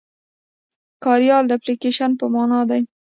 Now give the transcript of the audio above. کاریال د اپليکيشن په مانا دی.